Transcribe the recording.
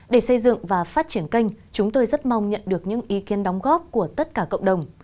để xây dựng và phát triển kênh chúng tôi rất mong nhận được những ý kiến đóng góp của tất cả cộng đồng